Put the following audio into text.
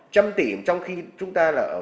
trăm tỷ trong khi chúng ta là ở phía